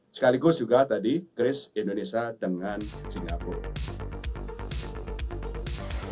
sekaligus juga tadi chris indonesia dengan singapura